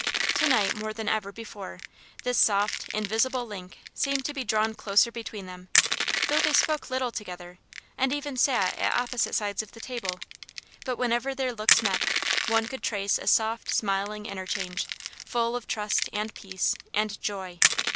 To night, more than ever before, this soft, invisible link seemed to be drawn closer between them, though they spoke little together, and even sat at opposite sides of the table; but whenever their looks met, one could trace a soft, smiling interchange, full of trust, and peace, and joy.